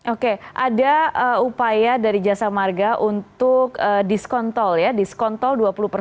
oke ada upaya dari jasa marga untuk diskontol dua puluh